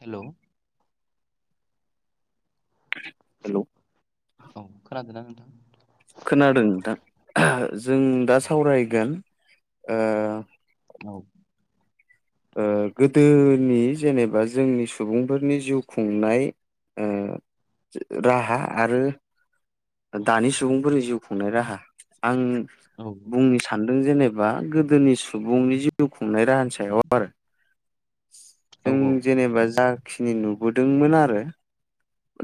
हेल' hello औ खोनादोंना नोंथां? खोनादों नोंथां ओ जों दा सावरायगोन ओ औ ओ गोदोनि जेनेबा जोंनि सुबुंफोरनि जिउ खुंनाय ओ राहा आरो दानि सुबुंफोरनि जिउ खुंनाय राहा आं औ बुंनो सान्दों जेनेबा गोदोनि सुबुंनि जिउ खुंनाय राहानि सायाव आरो औ जों औ जेनेबा जाखिनि नुबोदोंमोन आरो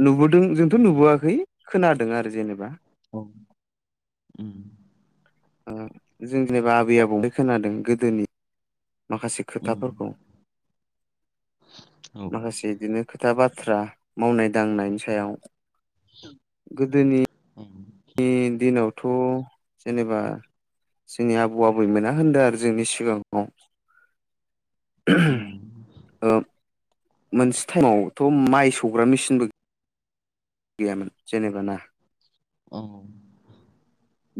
नुबो दों जों जोंथ' उम नुबोआखै खोनादों आरो जेनेबा औ ओम ओ जों जेनेबा आबै-आबौनिफ्राय खोनादों गोदोनि माखासे उम खोथाफोरखौ औ माखासे बिदिनो खोथा बाथ्रा मावनाय दांनायनि सायाव गोदोनि ओम दिनावथ' जेनेबा जोंनि आबौ-आबैमोना होनदों आरो जोंनि सिगाङाव उम ओ मोनसे टाइमावथ' माइ सौग्रा मेसिनबो गैयामोन जेनेबा ना औ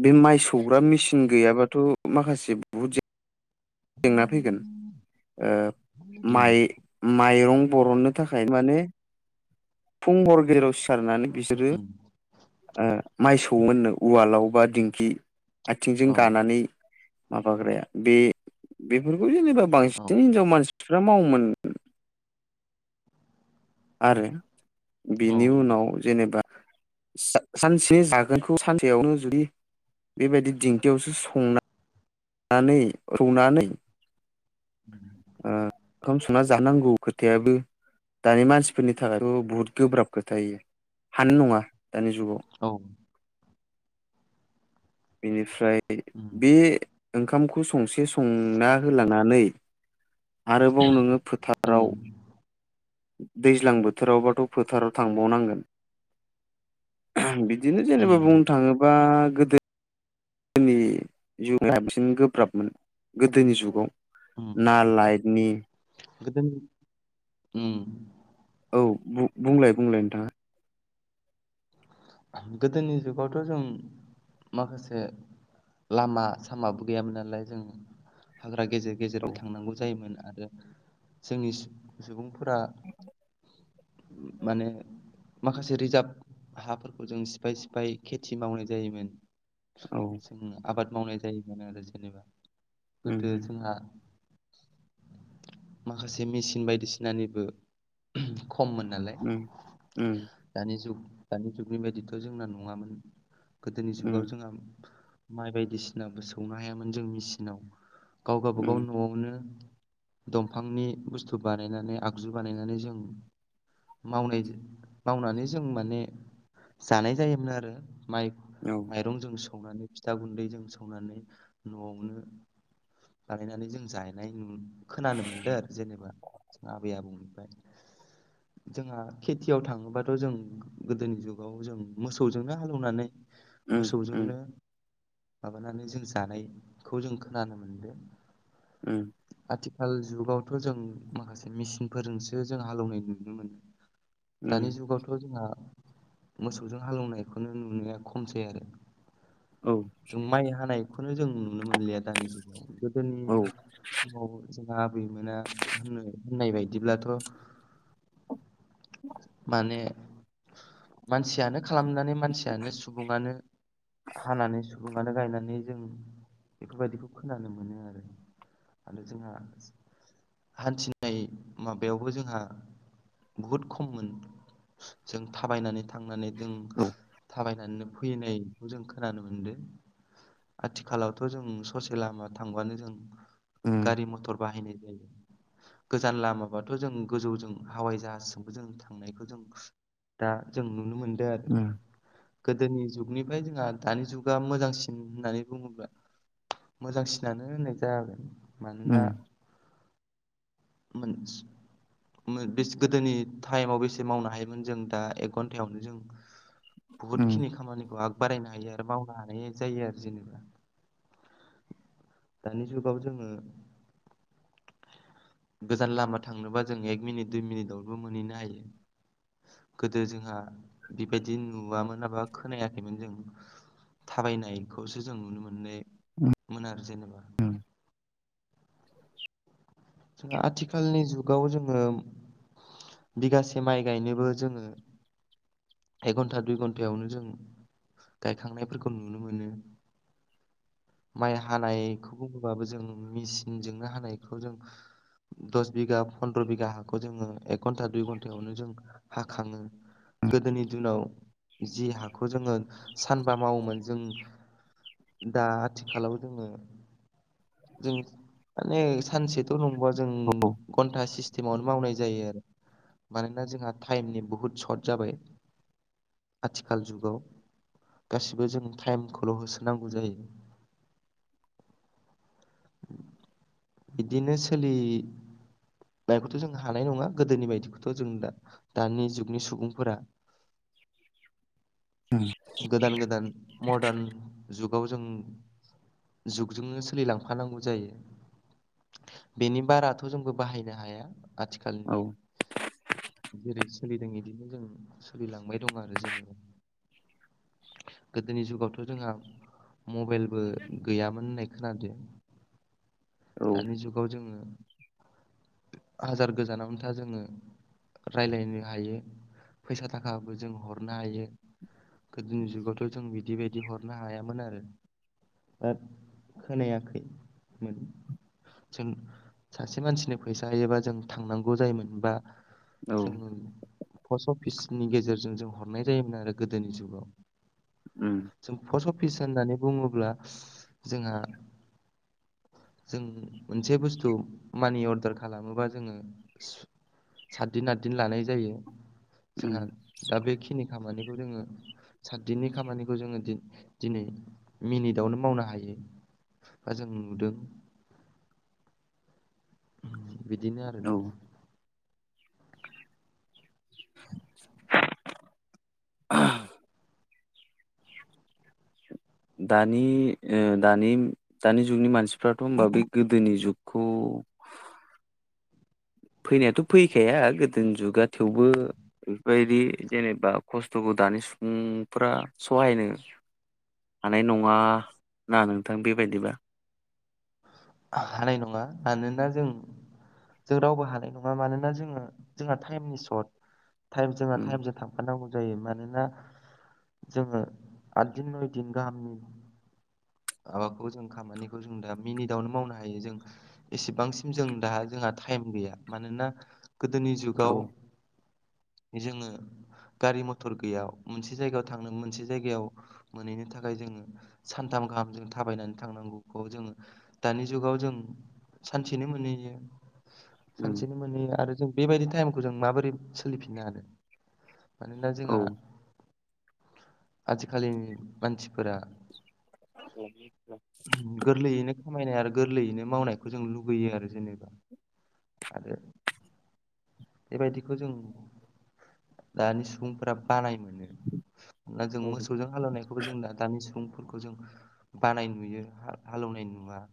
बे माइ सौग्रा मेसिन गैयाबाथ' माखासे बहुत जेंना फैगोन उम माइ माइरं बरननो थाखाय माने फुं हर गेजेराव सिखारनानै बिसोरो उम माइ सौआओमोननो उवालाव बा दिंखि आथिंजों औ गानानै माबाग्राया बे बेफोरखौ जेनेबा औ बांसिन हिनजाव मानसिफ्रा मावोमोन आरो औ बिनि उनाव जेनेबा सानसे जागोनखौ सानसेयावनो जुदि बेबायदि दिंखियावसो संनानै रौनानै [unintelligible] ओ ओंखाम संना जानांगौ खोथायाबो दानि मानसिफोरनि थाखायथ' बुहुद गोब्राब खोथायो हानाय नङा दानि जुगाव औ बेनिफ्राय बे बे ओंखामखौ संसे संना होलांनानै आरोबाव नोङो फोथाराव उम दैज्लां बोथोरावबाथ' फोथाराव थांबावनांगोन बिदिनो जेनेबा उम बुंनो थाङोबा गोदो गोदोनि जुगा बांसिन गोब्राबमोन गोदोनि जुगाव उम नालाइदनि गोदोनि उम। औ बुंलाय बुंलाय नोंथाङा? गोदोनि जुगावथ' जों माखासे लामा सामाबो गैयामोन नालाय जों हाग्रा गेजेर गेजेरबो थांनांगौ जायोमोन आरो जोंनि सुबुं माने माखासे रिजार्भ हाफोरखौ जों सिफाय सिफाय खेथि मावनाय जायोमोन। औ। जों आबाद मावनाय जायोमोन आरो जेनेबा उम गोदो जोंहा। माखासे मेसिन बायदिसिनानिबो खममोन नालाय उम उम दानि जुग दानि जुग बेबायदिथ' जोंना नङामोन गोदोनि उम जुगाव जोंहा माइ बायदिसिनाबो सौनो हायामोन जों मेसिनाव गाव उम गबागाव न'आवनो दंफांनि बुस्थु बानायनानै आगजु बानायनानै जों मावनाय मावनानै जों माने जानाय जायोमोन आरो माइ औ। माइरंजों सौनानै फिथा गुन्दैजों सौनानै न'आवनो बानायनानै जों जाहैनाय खोनानो मोनदों आरो जेनेबा जों आबै आबौनिफ्राय जोंहा खेथियाव थाङोबाथ' जों गोदोनि जुग बेयाव जों मोसौजोंनो हालौवनानै उम उम मोसौजोंनो माबानानै जों जानायखौ जों खोनानो मोनदों उम। आथिखाल जुगावथ' जों माखासे मेचिनफोरजोंसो जों हालेवनाय नुनो मोनो। दानि उम जुगावथ' जोंहा मोसौजों हालेवनायखौनो नुनाया खमसै आरो। औ जों माइ हानायखौनो जों नुनो मोनलिया दानि जुगाव गोदोनि औ समाव जोंहा आबैमोना होननो होननाय बायदिब्लाथ' माने मानसियानो खालामनानै मानसियानो सुबुङानो हानानै सुबुुङानो गायनानै जों बेफोरबायदिखौ खोनानो मोनो आरो। आरो जोंहा हान्थिनाय माबायावबो जोंहा बुहुद खममोन जों थाबायनानै थांनानै जों औ थाबायनानै फैनाय जों खोनानो मोनदो आथिखालावथ' जों ससे लामा थांबानो जों उम गारि मथर बाहायनाय जायो गोजान लामाबाथ' जों गोजौजों हावाय जाहाजजोंबो जों थांनायखौ जों दा जों नुनो मोनदो आरो ओम गोदोनि जुगनिफ्राय जोंहा दानि जुगा मोजांसिन होननानै बुङोब्ला मोजांसिनानो होननाय जागोन मानोना [inaudible] मोनस गोदोनि टाइमाव बेसे मावनो हायोमोन जों दा घन्टायावनो जों बुहुत उम खिनि खामानिखौ बारायनो हायो आरो मावनो हानाय जायो आरो जेनेबा दानि जुगाव जोङो गोजान लामा थांनोबा जों एक मिनिट दुइ मिनिटआवबो मोनहैनो हायो। दो जोंहा बेबायदि नुवामोना एबा खोनायाखैमोन जों थाबायनायखौसो जों नुनो मोननो मोनो आरो जेनेबा उम जोंहा आथिखालनि जुगाव जोङो बिगासे माइ गायनोबो जोङो एक घन्टा दुइ घन्टायावनो जों गायखांनायफोरखौ नुनो मोनो माइ हानायखौ बुङोब्ला जों मेसिनजोंनो हानायखौ जों दस बिघा फन्द्र' बिगा हाखौ जोङो एक घन्टा दुइ घन्टायावनो जों हाखाङो गोदोनि दिनाव जि हाखौ जोङो सानबा मावोमोन जों दा आथिखालाव जोङो जों माने सानसे थ' नंबवा जों घन्टा सिस्टेमावनो मावनाय जायो आरो मानोना जोंहा टाइमनि बुहुत सर्ट जाबाय। आथिखाल जुगाव गासिबो जों टाइमखौल' होसोनांगौ जायो। बिदिनो सोलि बेखौथ' जों हानाय नङा गोदोनि बायदिखौथ' जों दा दानि जुगनि सुबुंफोरा [inaudible] गोदान गोदान मर्दान जुगाव जों जुगजोंनो सोलिलांफानांगौ जायो। बेनि बाराथ' जोंबो बाहायनो हाया औ आथिखालनि जेरै सोलिदों इदिनो जों सोलिलांबाय दं आरो जेनेबा गोदोनि जुगावथ' जोंहा मबेलबो गैयामोन होननाय खोनादो औ दानि जुगाव जोङो हाजार गोजानावनो था जोङो रायलायनो हायो फैसा थाखाबो जों हरनो हायो गोदोनि जुगावथ' जों बिदि बादि हरनो हायामोन आरो ओ खोनायाखै मोन जों सासे मानसिनो फैसा होयोबा जों थांनांगौ जायोमोन बा औ जों पस्ट अफिसनि गेजेरजों जों हरनाय जायोमोन आरो गोदोनि जुगाव। उम जों पस्ट अफिस होननानै बुङोब्ला जोंहा जों मोनसे बुस्थु मानि अर्दार खालामोबा जोङो सातदिन आतदिन लानाय जायो उम जोंहा दा बेखिनि खामानिखौ जोङो सातदिननि खामानिखौ जोङो दिन-दिनै मिनिटावनो मावनो हायो। बा जों नुदों। बिदिनो औ आरोना। दानि ओ दानि दानि जुगनि मानसिफ्राथ' होमबा बे गोदोनि जुगखौ फैनायाथ' फैखाया गोदोनि जुगा थेवबो बेफोरबायदि जेनेबा खस्थ'खौ दानि सुबुंफोरा सहायनो हानाय नङा ना नोंथां बेबायदिबा हानाय नङा मानोना जों जों रावबो हानाय नङा मानोना जोङो जोंहा टाइमनि सर्ट जोंना उम टाइमजों थां नांगौ जायो मानोना जोङो आद दिन नय दिन गाहामनि माबाखौ जों खामानिखौ जों दा मिनिटावनो मावनो हायो जों एसेबांसिम जों दा जोंहा टाइम गैया मानोना गोदोनि औ जुगाव जोङो गारि मथर गैया मोनसे जायगायाव थांनो मोनसे जायगायाव मोनहैनो थाखाय जोङो सानथाम गाहाम जों थाबायनानै थांनांगौखौ जोङो दानि जुगाव जों सानसेनो मोनहैयो उम सानसेनो मोनहैयो आरो जों बेबायदि टाइमखौ जों माबोरै सोलिफिननो हानो मानोना औ जोंहा आजिखालिनि मानसिफोरा [unintelligible] गोरलैयैनो खामायनाय आरो गोरलैयैनो मावनायखौ जों लुुबैयो आरो जेनेबा आरो। बेबायदिखौ जों दानि सुबुंफोरा बानाय दा जों औ मोसौजों हालेवनायखौबो जों दानि सुबुंफोरखौ जों बानाय नुयो हालेवनाय नुवा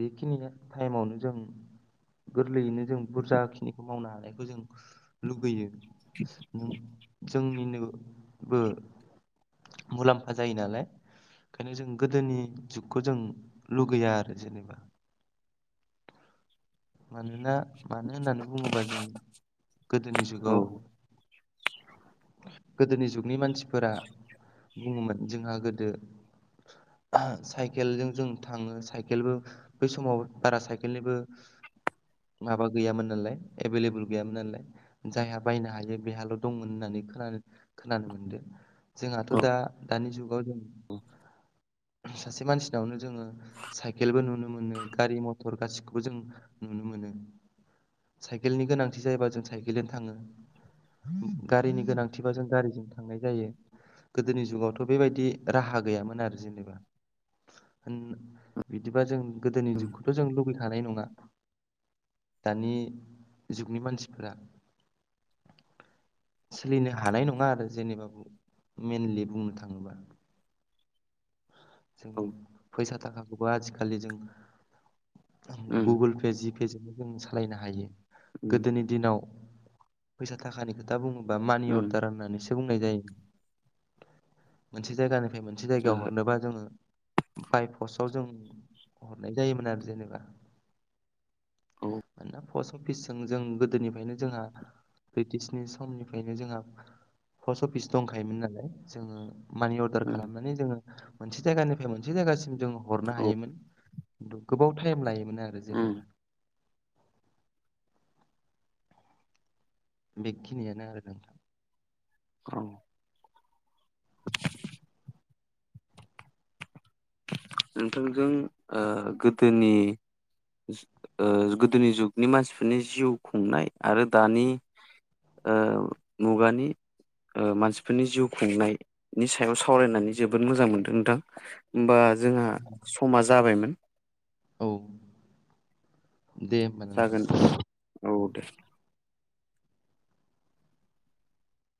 बेखिनि टाइमावनो जों गोरलैयैनो जों बुरजा खिनि मावनो हानायखौ जों लुबैयो [unintelligible] जोंनिनोबो मुलाम्फा जायो नालाय ओंखायनो जों गोदोनि जुगखौ जों लुगैया आरो जेनेबा [unintelligible] मानोना मानो होननानै बुङोबा जों गोदोनि औ जुगाव गोदोनि जुगनि मानसिफोरा बुङोमोन जोंहा गोदो साइकेलजों जों थाङो साइकेलबो बै समाव बारा साइकेलनिबो माबा गैयामोन नालाय एभेलेबल गैयामोन नालाय जायहा बायनो हायो बेहाल' दंमोन होननानै खोनादों खोनानो मोनदों जोंहाथ' औ दा दानि जुगाव जों सासे मानसिनावनो जोङो साइकेलबो नुनो मोनो गारि मथर गासिखौबो जों नुनो मोनो साइकेलनि गोनांथि जायोबा जों साइकेलजों थाङो गारिनि गोनांथिबा जों गारिजों थांनाय जायो गोदोनि जुगावथ' बेबायदि राहा गैयामोन आरो जेनेबा बिदिबा जों गोदोनि उम जुगखौथ' जों लुबैखानाय नङा दानि जुगनि मानसिफोरा सोलिनो हानाय नङा आरो जेनेबा मेनलि बुंनो थाङोबा औ जोङो फैसा थाखाखौबो आजिखालि जों उम गुगोल पे जिपेजोंनो जों सालायनो हायो उम गोदोनि दिनाव फैसा थाखानि खोथा बुङोबा मानि उम अर्डार होननानैसो बुंनाय जायो मोनसे जायगानिफ्राय मोनसे जायगायाव ओहो हरनोबा जोङो बाय पसाव जों हरनाय जायोमोन आरो जेनेबा औ मानोना फस प्रफिसजों जों गोदोनिफ्रायनो जोंहा ब्रिटिशनि समनिफ्रायनो जोंहा पस्ट अफिस दंखायोमोन नालाय जोंङो मानि अर्दार उम खालामनानै जोंङो मोनसे जायगानिफ्राय मोनसे जायगासिम जों हरनो औ हायोमोन गोबाव टाइम लायोमोन आरो उम जोंङो बेखिनियानो आरो नोंथां औ नोंथांजों गोदोनि गोदोनि जुगनि मानसिफोरनि जिउ खुंनाय आरो दानि। ओ मुगानि मानसिफोरनि जिउ खुंनायनि सायाव सावरायनानै जोबोद मोजां मोनदों नोंथां। होनबा जोंहा समा जाबायमोन। औ। दे होमबा नोंथां जागोन औ दे